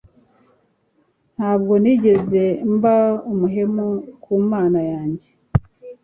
nta bwo nigeze mba umuhemu ku mana yanjye